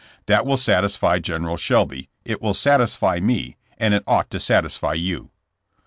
That will satisfy General Shelby, it will satisfy me, and it ought to satisfy you.